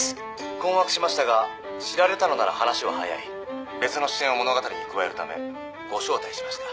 「困惑しましたが知られたのなら話は早い」「別の視点を物語に加えるためご招待しました」